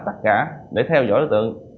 tất cả để theo dõi đối tượng